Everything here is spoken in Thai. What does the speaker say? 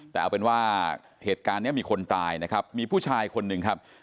แต่เอาเป็นว่าเหตุการณ์นี้มีคนตายนะครับมีผู้ชายคนหนึ่งครับ